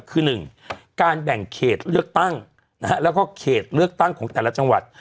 คือ๑การแบ่งเขตเลือกตั้งนะฮะแล้วก็เขตเลือกตั้งของแต่ละจังหวัด